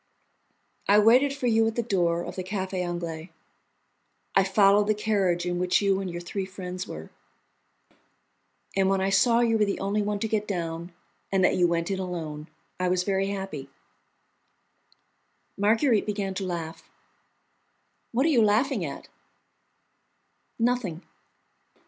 "I waited for you at the door of the Café Anglais. I followed the carriage in which you and your three friends were, and when I saw you were the only one to get down, and that you went in alone, I was very happy." Marguerite began to laugh. "What are you laughing at?" "Nothing."